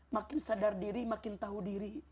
makin sadar diri makin tahu diri